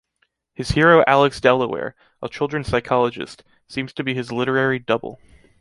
His hero Alex Delaware, a children psychologist, seems to be his literary double.